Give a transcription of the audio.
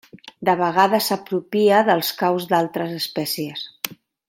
De vegades s'apropia dels caus d'altres espècies.